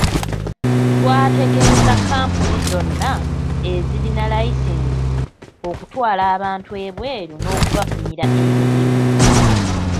Twategeeza kkampuni zonna ezirina layisinsi okutwala abantu ebweru n'okubafunira emirimu.